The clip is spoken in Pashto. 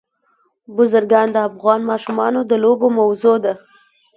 بزګان د افغان ماشومانو د لوبو موضوع ده.